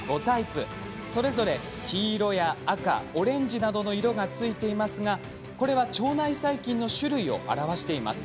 それぞれ黄色や赤オレンジなどの色がついていますがこれは腸内細菌の種類を表しています。